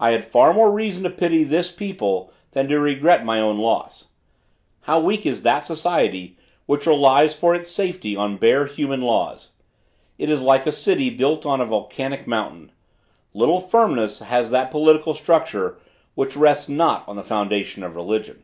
I had far more reason to pity this people than to regret my own loss. How weak is that society which relies for its safety on bare human laws. It is like a city built on a volcanic mountain! Little firmness has that political structure which rests not on the foundation of religion.